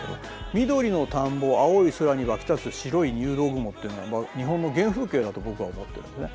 緑の田んぼ青い空に湧き立つ白い入道雲っていうのは日本の原風景だと僕は思ってるんですね。